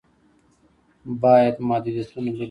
باید محدودیتونه لرې کړو.